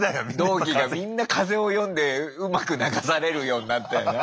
同期がみんな風を読んでうまく流されるようになったよな。